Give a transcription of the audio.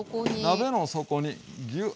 鍋の底にギュッ。